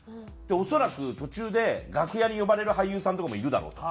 恐らく途中で楽屋に呼ばれる俳優さんとかもいるだろうと。